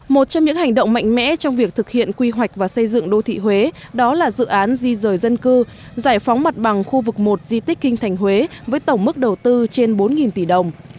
một trong những hành động mạnh mẽ trong việc thực hiện quy hoạch và xây dựng đô thị huế đó là dự án di rời dân cư giải phóng mặt bằng khu vực một di tích kinh thành huế với tổng mức đầu tư trên bốn tỷ đồng